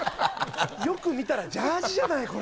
よく見たらジャージじゃない、これ。